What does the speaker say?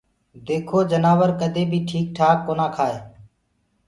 ديکو جنآوروُ ڪدي بيٚ ٺيڪ ٺآڪوُ ڪونآ ڪآٽي